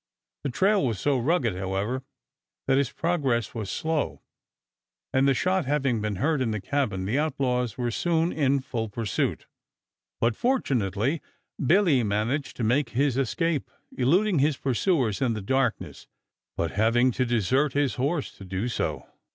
The trail was so rugged however that his progress was slow and the shot having been heard in the cabin the outlaws were soon in full pursuit, but fortunately Billy managed to make his escape, eluding his pursuers in the darkness, but having to desert his horse to do so.